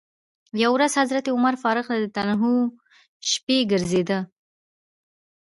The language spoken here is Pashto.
یوه ورځ حضرت عمر فاروق و شپې ګرځېده.